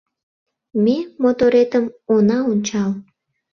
Ме моторетым она ончал